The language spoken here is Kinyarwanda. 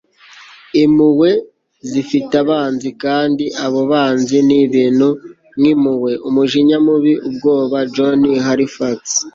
impuhwe zifite abanzi, kandi abo banzi ni ibintu nk'impuhwe, umujinya mubi, ubwoba. - joan halifax